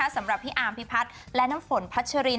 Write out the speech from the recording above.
สำหรับพี่อาร์มพิพัฒน์และน้ำฝนพัชริน